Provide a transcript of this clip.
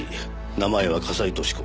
名前は笠井俊子。